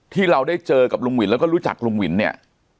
ที่เราได้เจอกับลุงวินแล้วก็รู้จักลุงหวินเนี่ย